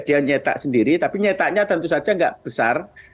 dia nyetak sendiri tapi nyetaknya tentu saja tidak besar